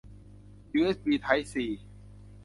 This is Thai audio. ยูเอสบี ไทป์ซี